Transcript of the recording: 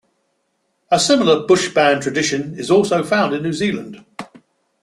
A similar bush band tradition is also found in New Zealand.